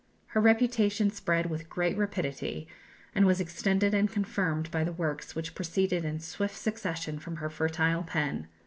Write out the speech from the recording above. Her reputation spread with great rapidity, and was extended and confirmed by the works which proceeded in swift succession from her fertile pen.